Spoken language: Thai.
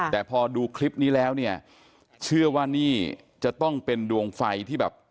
แต่พอดูคลิปนี้แล้วเนี่ยเชื่อว่านี่จะต้องเป็นดวงไฟที่แบบ